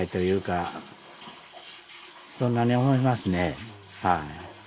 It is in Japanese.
そんなに思いますね。